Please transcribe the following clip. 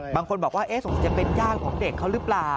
บางคนบอกว่าสงสัยจะเป็นญาติของเด็กเขาหรือเปล่า